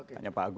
tanya pak agus